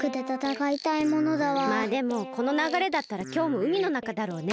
まあでもこのながれだったらきょうもうみのなかだろうね。